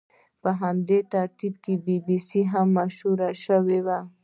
په همدې ترتیب بي بي سي هم مشهوره شوې وه.